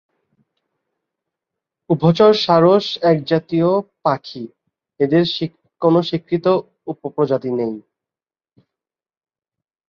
উভচর সারস একজাতীয় পাখি: এদের কোন স্বীকৃত উপপ্রজাতি নেই।